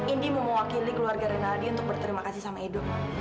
indi mewakili keluarga rinaldi untuk berterima kasih sama edo